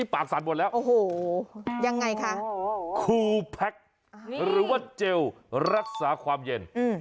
ปากสั่นหมดแล้วโอ้โหยังไงคะครูแพ็คหรือว่าเจลรักษาความเย็น